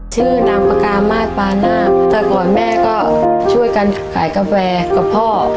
ชื่อนามประการมาตรปานามตอนก่อนแม่ก็ช่วยกันขายกาแฟกับพ่อ